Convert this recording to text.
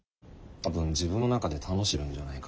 多分自分の中で楽しんでるんじゃないかな？